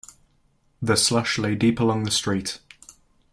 The slush lay deep along the street.